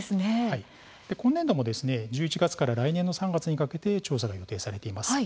今年度も１１月から来年の３月にかけて発掘調査を行います。